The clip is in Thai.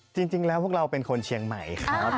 จริงแล้วพวกเราเป็นคนเชียงใหม่ครับ